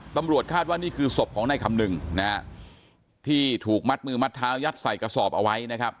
ตำรวจคาดว่านี่คือศพของนายคำนึงนะฮะที่ถูกมัดมือมัดเท้ายัดใส่กระสอบเอาไว้นะครับ